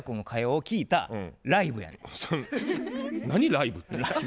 ライブって？